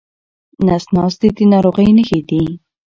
نس ناستي د ناروغۍ نښې دي.